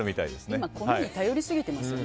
今、米に頼りすぎてますよね。